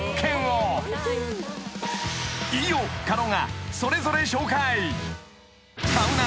［飯尾狩野がそれぞれ紹介］